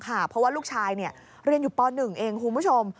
เพราะว่าลูกชายเรียนอยู่ป๑เองคุณผู้ชม